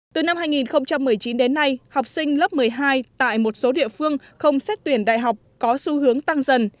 từ năm hai nghìn một mươi chín đến nay học sinh lớp một mươi hai tại một số địa phương không xét tuyển đại học có xu hướng tăng dần